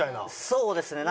そうですね。